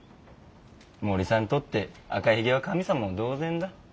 森さんにとって赤ひげは神様も同然だ。